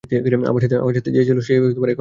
আমার সাথে যে ছিলো সে এখনও আসেনি।